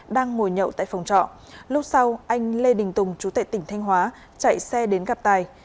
đang ngồi nhậu tại phòng trọ lúc sau anh lê đình tùng chú tệ tỉnh thanh hóa chạy xe đến gặp tài